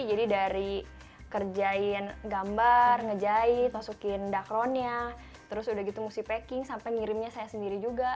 jadi dari kerjain gambar ngejahit masukin dakronnya terus udah gitu mesti packing sampai ngirimnya saya sendiri juga